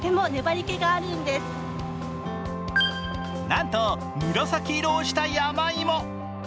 なんと紫色をした山芋。